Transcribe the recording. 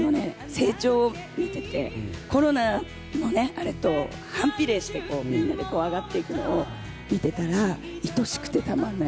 成長を見ていて、コロナと、あれと反比例して、みんなでこう上がっていくのを見てたら愛しくてたまらない。